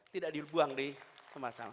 tidak dibuang di tempat sampah